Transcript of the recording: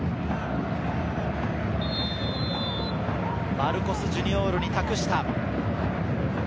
マルコス・ジュニオールに託した。